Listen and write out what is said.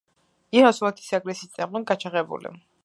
ირან-ოსმალეთის აგრესიის წინააღმდეგ გაჩაღებული